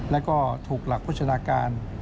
แล้วก็ถูกหลักโภชนาการ